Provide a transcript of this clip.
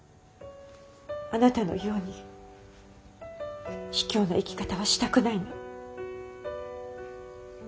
あなたのようにひきょうな生き方はしたくないの。